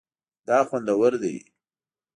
دا خوندور دی